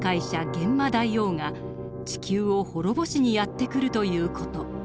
幻魔大王が地球を滅ぼしにやって来るという事。